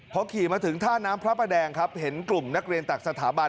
พอขี่มาถึงท่าน้ำพระประแดงครับเห็นกลุ่มนักเรียนตักสถาบัน